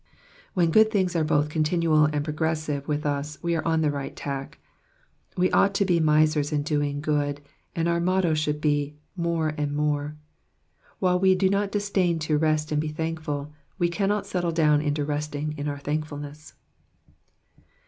When good things are both continuiil and progressive with ns, we are on the right tack. We ought to be misers in going good, and our motto should be more and more.'' While we do not disdain to rest and be thankful, we cannot settle down into rest^ ing in our thankfulness.